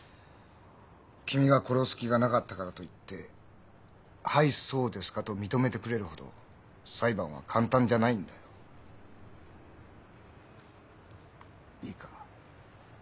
君が殺す気がなかったからといって「はいそうですか」と認めてくれるほど裁判は簡単じゃないんだよ。いいか？